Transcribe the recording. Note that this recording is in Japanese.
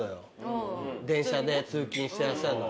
電車で通勤してらっしゃるの。